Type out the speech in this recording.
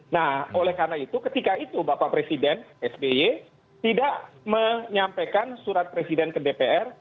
nah oleh karena itu ketika itu bapak presiden sby tidak menyampaikan surat presiden ke dpr